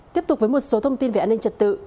tiếp tục với một số thông tin về an ninh trật tự